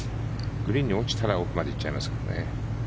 グリーンに落ちたら奥まで行っちゃいますからね。